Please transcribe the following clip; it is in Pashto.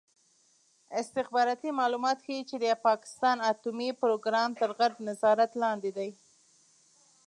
استخباراتي معلومات ښيي چې د پاکستان اټومي پروګرام تر غرب نظارت لاندې دی.